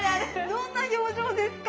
どんな表情ですか？